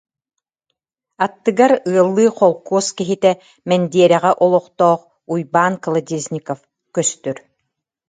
Аттыгар ыаллыы холкуос киһитэ, Мэндиэрэҕэ олохтоох Уйбаан Ко- лодезников көстөр